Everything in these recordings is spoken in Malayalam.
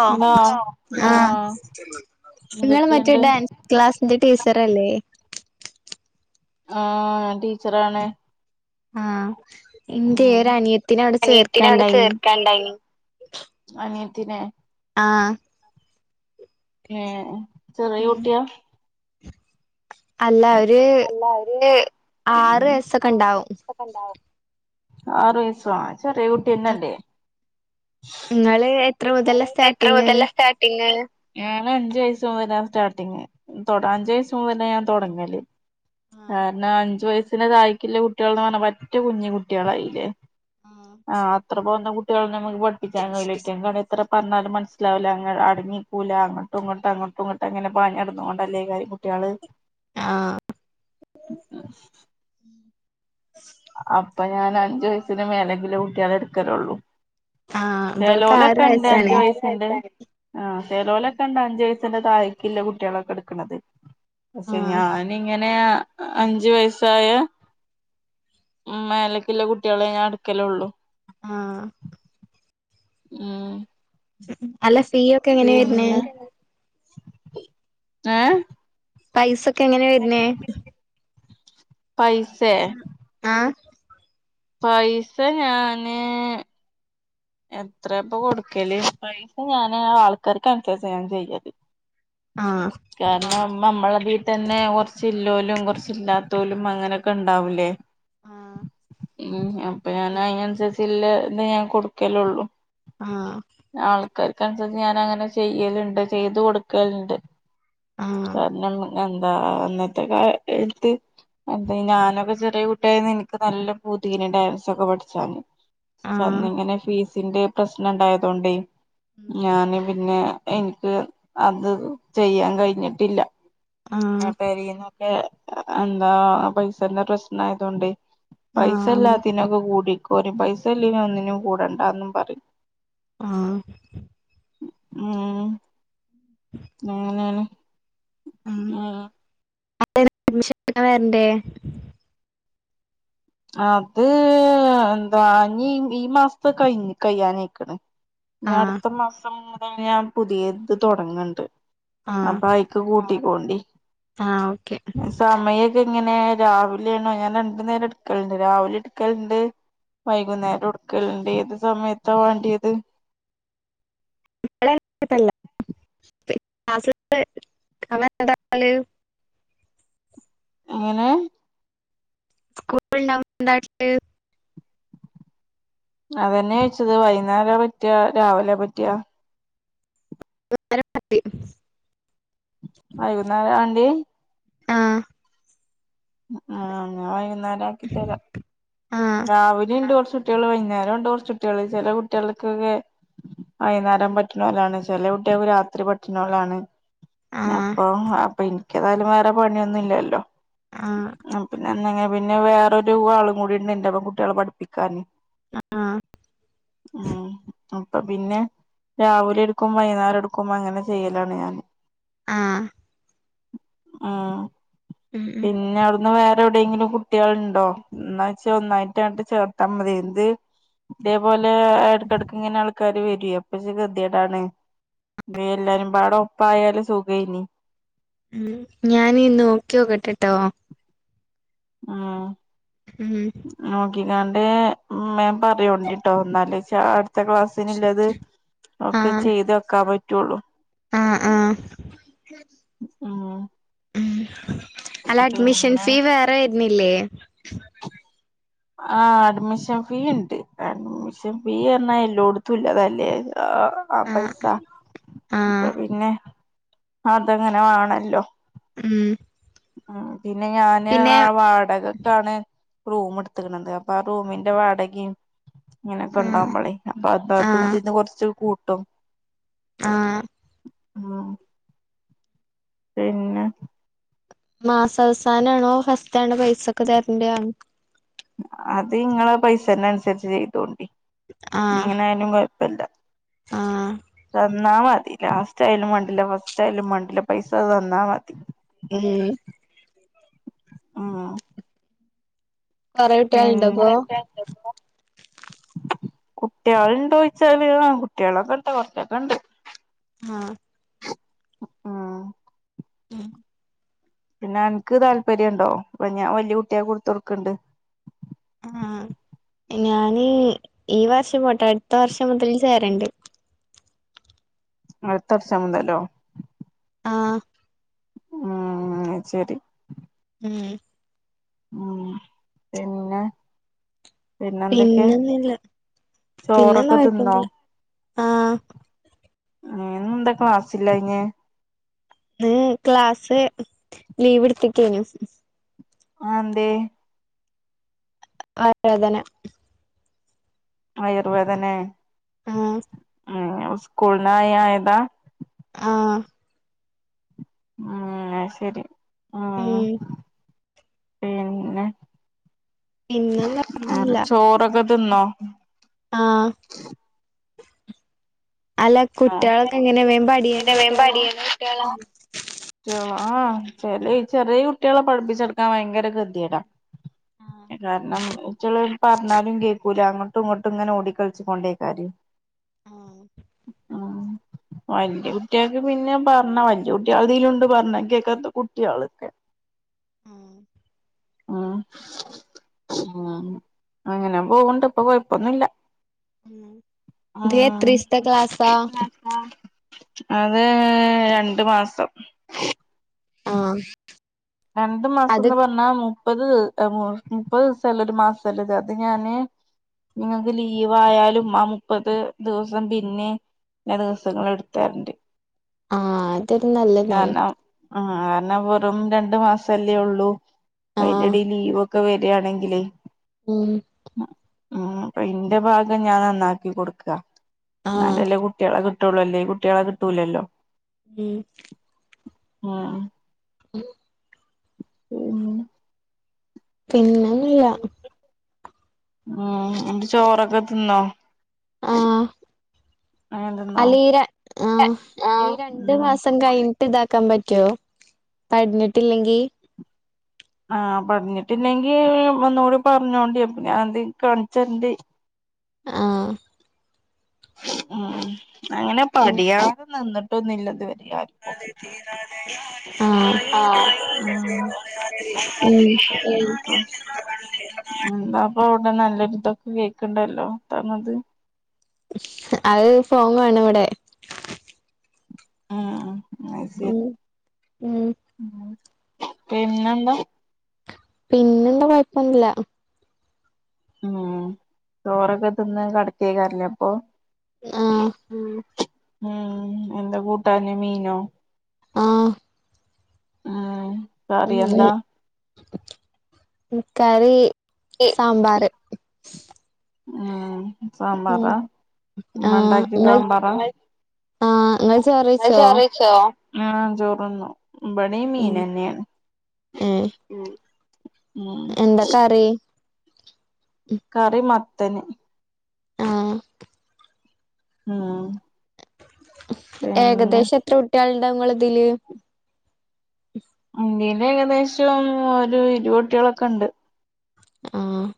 അ ആ ആ ഇങ്ങള് മറ്റേ എന്തൊക്കെയുണ്ട് ഡാൻസ് ക്ലാസിന്റെ ടീച്ചറല്ലെ? ആ ടീച്ചറാണ് ആ ഉം എന്റെർ അനിയത്തിനെ അവ്ടെ അനിയത്തിനെ അവിടെ ചേർക്കാണ്ടായീനി ത്തിനെ ആഹ്. ഏഹ് ചെറിയുട്ട്യാ. അല്ല ഒരു അല്ല ഒര് ആറ് വയസ്സൊക്കെ ഉണ്ടാവും ആറയ്സൊക്കെ ഇണ്ടാവും. ആറയ്സോ ആ ചെറിയെ കുട്ട്യെന്നല്ലേ. ഉം ന്നാല് ങ്ങൽതിൽ എത്ര മുതലാ സ്റ്റാർട്ടിങ്് ഞൻ അഞ്ചുവയസ്സ് മുതലാ സ്റ്റാർട്ടിങ് ആഹ് അഞ്ചുവയസ്സ് മുതലാ ഞാൻ തുടങ്ങല് കാരണം അഞ്ചു വയസിന് തായേക്കി ള്ള കുട്ട്യാള് പർഞ്ഞ പറ്റ കുഞ്ഞു കുട്ട്യാളായില്ലേ ആഹ് ആ അത്ര പോന്ന കുട്ട്യാളെ നമ്മുക്ക് പഠിപ്പിക്കാൻ കയ്യില ഇറ്റങ്ങക്കന്നെ എത്ര പറന്നാലും മനസ്സിലാവൂല അങ്ങ അടങ്ങിക്കൂല അങ്ങോട്ടുംങ്ങോട്ടും അങ്ങോട്ടും ഇങ്ങട്ട് അങ്ങനെ പാഞ്ഞ് ന ട് ന്നോണ്ടല്ലേകാരം കുട്ട്യാ അതെ ആഹ്. അപ്പൊ ഞാന് അഞ്ചു വയസ്സിന് മേലേക്കില്ലേ കുട്ട്യാളെ എടുക്കലുള്ളൂ ആഹ് ഇവൾക്ക് ആറ് ചെലോലൊക്കെ ഇണ്ട് അഞ്ച് വയസ്സാണ് വയസ്ന്റെ ആ ചെലേലൊക്കെണ്ട് അഞ്ചുവയസ്സിന്റെ താഴേക്കില്ലെ കുട്ട്യാളൊക്കെ എട്ക്കണത്. പക്ഷെ ആഹ് ഞാനിങ്ങനെ അഞ്ചു വയസ്സായ ഉം മേലക്ക്ല്ലെ കുട്ട്യാളെ ഞാൻ ഇട് ക്കലൊള്ളു. ആ ഉം. അല്ല ഫീയൊക്കെ എങ്ങനെ വെർനേ പിന്നെ ഏഹ് പൈസൊക്കെ എങ്ങനെ വെർനേ പൈസേ ആഹ് പൈസ ഞാന് എത്രേപ്പ കൊട്ക്കല്? പൈസ ഞാന് ആൾക്കാർക്കൻസര്ച്ചാ ഞാൻ ചെയ്യല്. ആഹ് കാര്ണം മ്മ മ്മളീതന്നെ കൊർച്ച് ഇല്ലോല്ലും കുറച്ച് ഇല്ലാത്തോലും അങ്ങനെയൊക്കെ ഇണ്ടാവൂലേ ആഹ് ഉം അപ്പൊ ഞാനയ്നൻസര്ച്ചില്ലെ ഇതെ ഞാൻ കൊടുക്കലുള്ളു. ആ ആൾക്കാർക്കൻസര്ച്ച് ഞാനങ്ങനെ ചെയ്യല്ണ്ട് ചെയ്ത് കൊട്ക്കല്ണ്ട് ആഹ് കാരണം എന്താ അന്നത്തെ കാലത്ത് എന്ത ഞാനൊക്കെ ചെറിയ കുട്ട്യായെന്ന് എനിക്ക് നല്ല പൂത്യേനി ഡാൻസൊക്കെ പഠിച്ചാന് ച ആഹ് ഇങ്ങനെ ഫീസിന്റെ പ്രശ്നം ഇണ്ടായതോണ്ടേ ഞാന് പിന്നെ എനിക്ക് അത് ചെയ്യാൻ കഴിഞ്ഞിട്ടില്ല ഞാൻ പേരീന്നു പെ എന്താ പൈസന്റെ പ്രശ്നായതോണ്ടെ ആഹ് ആഹ് പൈസല്ലാത്തിനൊക്കെ കൂടിക്കോറിം പൈസല്ലേനൊന്നും കൂടണ്ടന്നും പറിം ആ ഉം അങ്ങനെണ് ഉം ആ അ അഡ്മിഷൻ [unintelligible] അത് എന്താ ഈ മാസത്തെ കഴി കഴ്യാനയിക്ക്ണ് ഞ്ഞ് ആഹ് അട്ത്ത മാസം മുതൽ ഞാൻ പുതിയ ഇത് തുടങ്ങ്ണ്ട് ആഹ് അപ്പയിക്ക് കൂട്ടിക്കോണ്ടി ആഹ് ഓക്കെ ഇങ്ങനെ രാവിലേണോ ഞാൻ രണ്ടു നേരം ഇട്ക്കല്ണ്ട് രാവിലി ഇട്ക്കലുണ്ട് വൈകുന്നേരു ഇട്ക്കല്ണ്ട് ഏത് സമയത്താ വേണ്ടിയത് [unintelligible] [unintelligible] എങ്ങനെ സ്കൂൾ [unintelligible] അതന്നെ ചോയ്ച്ചത് വൈകുന്നേര പറ്റാ രാവിലെ പറ്റാ [unintelligible] മതി വൈകുന്നേരാണ്ടിയെ ആഹ് ആ ന്നാ വൈകുന്നേരം ആക്കി തരാ രാവിലിം ഇണ്ട് കൊർച്ച് കുട്ടിയേള് വൈകുന്നേരു ണ്ട് കൊർച്ച്കുട്ടിയേള് ചില കുട്ടികൾക്കൊക്കെ വൈന്നേരം പറ്റ്ണോലാണ്. ചെലകുട്ടികൾക്ക് രാത്രി പറ്റ്ണോലാണ് ആഹ് അപ്പം അപ്പ ഇൻക്കേതായാലും വേറെ പണിയൊന്നു ഇല്ലല്ലോ ആഹ് പിന്നെ എന്ന്ങ്ങന പിന്നെ വേറൊരു ആളും കൂടി ണ്ട് ഇന്റെ പ്പം കുട്ടിയേളെ പഠിപ്പിക്കാന് ആഹ് ആഹ് അപ്പൊ പിന്നെ രാവിലെ എടുക്കും വൈകുന്നേരം എടുക്കും അങ്ങനെ ചെയ്യലാണ് ഞാൻ ആഹ് ആ ഉം ഉം പിന്നെ അവിടന്ന് വേ റെ എവിടെയെങ്കിലും കുട്ടിയേൾ ഇണ്ടോ ഇന്നാ ച്ച് ഒന്നായിട്ടട്ട് ചേർത്താൽ മതിന്നത് ഇത് ഇതേപോലെ ഇടക്കെടക്ക് ഇങ്ങനെ അൾ ക്കാര് വരേ അപ്പൊ ച്ച് ഗതിയേടാണ് ഇത് എല്ലാരും പാട ഒപ്പായാല് സുഖേനി ഉം ഞാനെ നോക്കിയോക്കട്ടട്ടോ ആഹ് ഉം [unintelligible] ഇമ്മേം പറയോണ്ടിട്ടോ ഇന്നാലേച അട് ത്തെ ക്ലാസ്സിനില്ലത് ഒക്കെ ആഹ് ചെയ്ത് വെക്കാൻ പറ്റുള്ളു ആഹ് ആഹ് ഉം ഉം അല്ല അഡ്മിഷൻ പിന്നെ ഫീ വേറെ ഏരുന്നില്ലേ ആ അഡ്മിഷൻ ഫീ ഇണ്ട്. അഡ്മിഷൻ ഫീ പർഞ്ഞാ എല്ലോട്ത്തുല്ലതല്ലെ അഅ് ആ ആ ആഹ് പൈസ. ഇപ്പ ആഹ് പിന്നെ അതങ്ങനെ വേണല്ലോ ഉം ഉം പിന്നെ ഞാന് പിന്നെ ആ വാടകക്കാണ് റൂമ് ഇട് ത്ത്ക്കണണ്ട്. അപ്പൊ ആ റൂമിന്റെ വാടകിം ഇങ്ങനൊക്കെ ആഹ് ഉണ്ടാകുമ്പളെ അപ്പൊ അത അത് ആഹ് ഇതിന്ന് കൊറച്ച് കൂട്ടും ആഹ് ഊമ് പിന്നെ മാസവസാനാണോ ഫസ്റ്റാണോ പൈസൊക്കെ തരണ്ട്യെ അത് ഇങ്ങളെ പൈസൻ്റെ അനുസരിച്ച് ചെയ്തോണ്ടി ഇ ആഹ് എങ്ങനെ ആയാലും കൊയ് പ്പല്ല.. ആഹ് [unintelligible] ന്നാ മതി. ലാസ്റ്റ് ആയാലും മാണ്ടില്ല. ഫസ്റ്റ് ആയാലും മാണ്ടില്ല. പൈസത് തന്നാ മതി ഉം ഊം കൊറെ ഉം കുട്ടികളുണ്ടോപ്പൊ [unintelligible] കുട്ടികള്ണ്ടോ യ്ച്ചാല് കുട്ടികളൊക്കെ ഇണ്ട് കുറച്ചൊക്കെ ഉണ്ട് ആഹ് ആഹ ആഹ പിന്നെ അനക്ക് താല്പര്യണ്ടോ ഞാൻ വല്യ കുട്ട്യാ ക്ക് ഇട്ത്ത് ടു ക്കുന്ണ്ട്. ആഹ ഞാന് ഈ വർഷം പോട്ടെ അടുത്ത വർഷം മുതല് ചേരണ്ട്. അടുത്ത വർഷമുതലോ. ആഹ ഉം ശരി മ് ഉ പിന്നെ പിന്നെന്തൊക്കെ പിന്നെ ഒന്നില്ല. പിന്നെന്താ ചോറൊക്കെ തിന്നോ കൊഴപ്പൊന്നില്ല ആഹ എന്താ ക്ലാസ്സില്ല ഇന് [unintelligible] ഇന്ന്ക്ലാസ്സ് ലീവ് എടുത്തികൈ നിം. അതെന്തേയ്. വയറു വേദന. ആയുർവേദ ലേ ആഹ ഹേ സ്ക്കൂള്ന്ന് ആയി ആയ താ.. ആഹ ഹേ ശരി ഉം പിന്നെ പിന്നെന്താ ആ ചോറക്കെതിന്നോ. ആഹ എങ്ങനെ വേം പഠിയണ െ കുട്ടികളാ വമ്പാടിന കേളാം [unintelligible] ആ ചെലെ ചെറിയ കുട്ടികളെ പഠിപ്പിച്ചെടുക്കാൻ ഭയങ്കര തെത്യോടാ. ആഹ് കാരണം ഇറ്റങ്ങൾ പറഞ്ഞാലും കേക്കൂല അങ്ങട്ടും ഇങ്ങട്ടുങ്ങനെ ഓടികളിചോണ്ടയ്കാരം ആഹ് ഉ വല്യകുട്യക്ക് പിന്നെ പറഞ്ഞാവല്യ കുട്ടയാൾ പിന്നെ... ഇതിലുണ്ട് പറഞ്ഞ കേക്കാത്ത കുട്ട്യാള്. ആഹ് ഉ ഉ അങ്ങനെ പോവ്ണ്ട് ഇപ്പൊ കൊയപ്പൊന്നൂല്ല ഉം ആ ഇത് ഹ് എത്രീസത്തെ ക്ലാസാ പിന്നെന്താ... അതെരണ്ടു മാസം. ആഹ രണ്ടു മാസംന്ന് പറഞ്ഞാ മു... മുപ്പത് മുപ്പത് ദിവസല്ല ഒരു മാല്ലേ അപ്പോ ഞാന്. നിങ്ങക്ക് ലീവായാലും ആ മുപ്പത് ദിവസം പിന്നെ.. വെറെദിവസങ്ങള് ഇടുത്തരണ്ട്. ആഹ അതൊരു നല്ലതാണ്. ആ കാരണം വെറും രണ്ടു മാസംല്ലേ ഒള്ളൂ ആഹ് അയിന്റെടീല്ലീലീവ് ഒ... ഒക്കെ വരിയാണെങ്കിലെ... ഉം ഉ അപ്പൊ ഇന്റെ ഭാഗം ഞാൻ നന്നാക്കി കൊടുക്കാ ആഹ് ഇന്നാലെല്ലെ കുട്ടീളെ കി.... കിട്ടുള്ളല്ലേ അല്ലങ്കികുട്ടികളെ കിട്ടൂലല്ലോ. ഉം ആഹ ഉ പി പിന്നെന്നുല്ല ഉം ന്നിട്ട് ചോറൊക്കെ തിന്നോ. ആഹ് അങ്ങനെ തിന്നോ അല്ല ഈ രൺ ആഹ് ഈ രണ്ട് ഉം മാസം കഴി ട്ട് താക്കാം പറ്റോ പട്ഞ്ട്ട്ല്ലെങ്കി ആഹ് പറഞ്ഞിട്ടില്ലെങ്കി ഒന്നൂടി പറഞ്ഞോണ്ടി അപ്പഞ്ഞാനെന്തേലും കാണിച്ചേരണ്ട്. ആഹ് മ് അങ്ങനെ ഉം പഠിയാതെ ന്ന്ന്ട്ടൊന്നുല്ലത് വെ [unintelligible] രെ ആര്ക്കും ആഹ് ആഹ് ആഹ് മ് ഉം ആഹ് ന്താപ്പൊ ത്താ നല്ലൊര്തൊക്കെ കേക്ക്ണ്ടല്ലോ ത്താണത് അത് ഫോം കാണാവടെ ആഹ് അയ്ശെരി ഉം പിന്നെന്താ പിന്നെന്താ കൊയപ്പൊന്നുല്ല മ് ചോറൊക്കെ ത്ന്ന് കടക്കേയ്ക്കാരെല്ലപ്പൊ ആഹ് മ് എന്താ കൂട്ടാന് മീനോ ആഹ് മ് കറി ഉം എന്താ കറി സാമ്പാറ് മ് ഉം സാമ്പറാ ആഹ് മ്മണ്ടാക്ക്യേ ഇങ്ങൾ സാമ്പറാ ആഹ് ഇങ്ങൾ ചോറ് ങ്ങള് വെയ്ച്ചോ? ചോറേയ്ച്ചോ ആഹ് ചോറ്ന്നു ബടീം ഉം മീനെന്നേണ്. ഏഹ് ഉം എന്താ കറി കറി മത്തന് ആഹ് മ് ഏകദേശം എത്ര കുട്ട്യാള്ണ്ടാവുങ്ങളെ ത്ല് ഇന്റീല് ഏകദേശം ഒര് ഇരുവത് കുട്ട്യാളൊക്കെണ്ട്. ആഹ്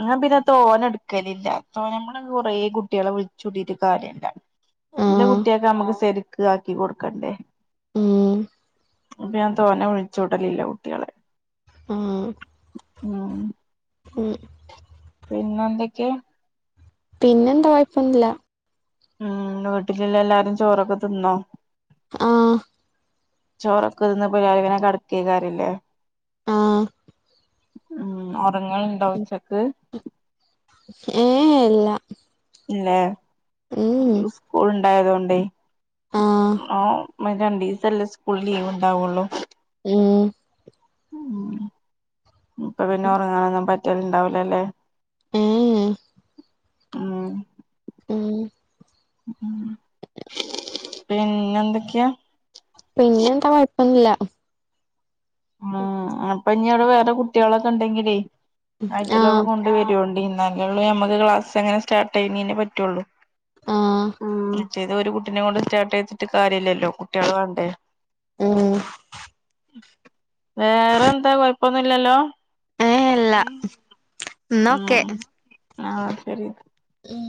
ഞാം പിന്നെ തോനെട്ക്കലില്ല തോനമ്മള് കൊറേ കുട്ട്യാളെ വുൾച്ചൂട്ടീറ്റ് കാര്യല്ല ഇല്ല ആഹ് കുട്ട്യാക്ക് മ്മക്ക് ശെരിക്ക് ആക്കി കൊട്ക്കണ്ടേ ഉം അപ്പ ഞാൻ തോനെ വുൾച്ചൂട്ടലില്ല കുട്ട്യാളെ ആഹ് മ് ഉം പിന്നെന്തെക്കെ പിന്നെന്താ കൊഴപ്പൊനുല മ് വീട്ട്ലില്ലെല്ലാരും ചോറൊക്കെ തിന്നോ ആഹ് ചോറൊക്കെത് ന്ന് ഞാന്ങ്ങനെ കടക്കേര്ന്നു പറഞ്ഞിലെ ആഹ് മ് ഒറങ്ങല്ണ്ടോ ഉച്ചക്ക് ഏ എ ഇല്ല ഇല്ലേ മ് മ് ണ്ടായതോണ്ടേയ് ആ മറ്റ് രണ്ടീസല്ലേ സ്കൂൾ ലീവ്ണ്ടാവുള്ളു. മ് മ് ഇപ്പ പിന്നെ ഒറങ്ങാനൊന്നും പറ്റല്ണ്ടാവൂലലെ ഏ എ മ് പിന്നെന്തെക്കെ പിന്നെ എന്താ കൊയപ്പൊന്നുല്ല ഉ അപ്പഞ്ഞി അവടെ വേറെ കുട്ട്യാളൊക്കെണ്ടെങ്കിലേയ് ആയിട്ടല്ലക്കെ ആഹ് കൊണ്ടു വരും ഇന്നാലൊള്ളേ നമമ്മക്ക് ക്ലാസ്സെ ങ്ങനെ സ്റ്റാർട്ട് ചെയ്യനെന്നെ പറ്റുള്ളു ആ ഏതോ ഒരു കുട്ടിനെ കൊണ്ട് സ്റ്റാർട്ട് ചെയ്തിട്ട് കാര്യല്ലല്ലോ കുട്ടികളു വേണ്ടേ ഉം വേറെ എന്താ കുയപ്പൊന്നുല്ലല്ലോ ഏ ഇല്ല എന്നാ ഒക്കെ ഉം ആ ശരി ഉം